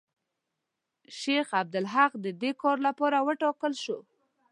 شیخ عبدالحق د دې کار لپاره وټاکل شو.